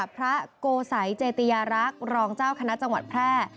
พระโกสัยเจติยารักษ์รองเจ้าคณะจังหวัดแพร่